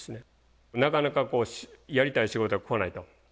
なかなかやりたい仕事が来ないと。